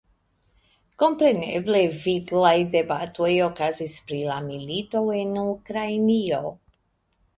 Kompreneble viglaj debatoj okazis pri la milito en Ukrainio.